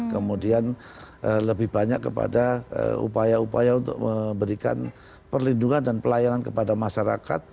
kemudian lebih banyak kepada upaya upaya untuk memberikan perlindungan dan pelayanan kepada masyarakat